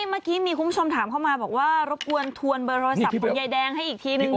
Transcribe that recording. เมื่อกี้มีคุณผู้ชมถามเข้ามาบอกว่ารบกวนทวนเบอร์โทรศัพท์ของยายแดงให้อีกทีนึง